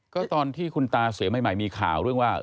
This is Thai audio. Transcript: ก็ตอนที่คุณตาเสียใหม่มีข่าวเรื่องว่า